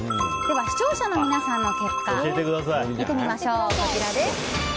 視聴者の皆さんの結果見てみましょう。